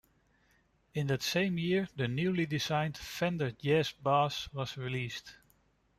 In that same year the newly designed Fender Jazz Bass was released.